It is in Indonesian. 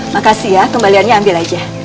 makasih ya kembaliannya ambil aja